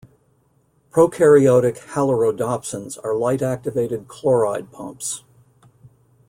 Prokaryotic halorhodopsins are light-activated chloride pumps.